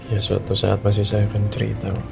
ya suatu saat pasti saya akan cerita